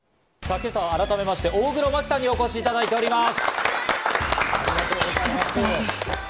今朝は改めまして大黒摩季さんにお越しいただいております。